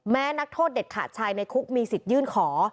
นักโทษเด็ดขาดชายในคุกมีสิทธิ์ยื่นขอ